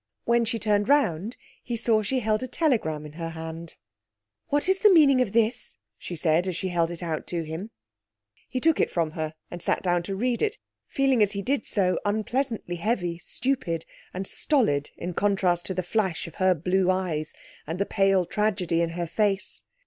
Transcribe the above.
When she turned round he saw she held a telegram in her hand. 'What is the meaning of this?' she said, as she held it out to him. He took it from her and sat down to read it, feeling as he did so unpleasantly heavy, stupid, and stolid in contrast to the flash of her blue eyes and the pale tragedy in her face.